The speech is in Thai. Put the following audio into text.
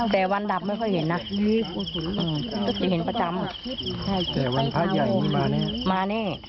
แต่วันดับไม่ค่อยเห็นนะจะเห็นประจำ